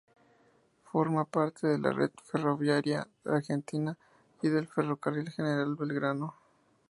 Forma parte de la red ferroviaria argentina, y del Ferrocarril General Belgrano.